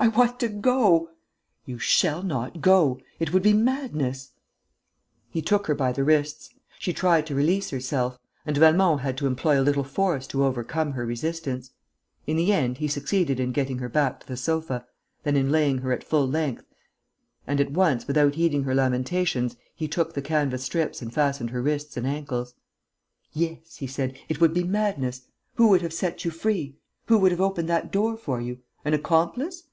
"I want to go." "You shall not go!... It would be madness...." He took her by the wrists. She tried to release herself; and Velmont had to employ a little force to overcome her resistance. In the end, he succeeded in getting her back to the sofa, then in laying her at full length and, at once, without heeding her lamentations, he took the canvas strips and fastened her wrists and ankles: "Yes," he said, "It would be madness! Who would have set you free? Who would have opened that door for you? An accomplice?